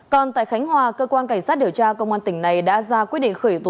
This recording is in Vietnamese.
còn tại khánh hòa cơ quan cảnh sát điều tra công an tỉnh này đã ra quyết định khởi tố